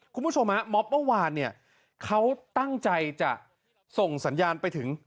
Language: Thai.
คุณผู้ชมฮะม็อบเมื่อวานเนี่ยเขาตั้งใจจะส่งสัญญาณไปถึง